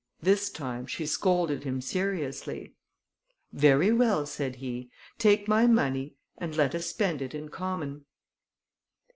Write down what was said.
This time, she scolded him seriously. "Very well," said he, "take my money, and let us spend it in common."